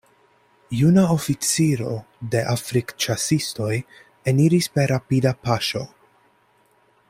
Juna oficiro de Afrikĉasistoj eniris per rapida paŝo.